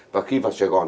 và khi vào sài gòn